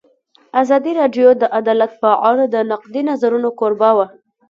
ازادي راډیو د عدالت په اړه د نقدي نظرونو کوربه وه.